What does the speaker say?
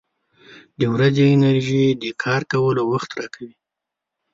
• د ورځې انرژي د کار کولو وخت راکوي.